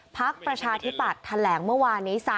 พักประชาธิปัตย์แถลงเมื่อวานนี้